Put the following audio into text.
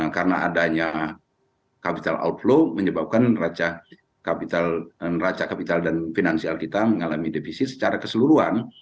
dan neraca flow menyebabkan neraca kapital dan finansial kita mengalami defisi secara keseluruhan